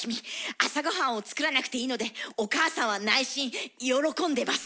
朝ごはんを作らなくていいのでお母さんは内心喜んでます。